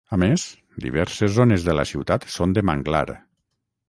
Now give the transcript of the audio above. A més, diverses zones de la ciutat són de manglar.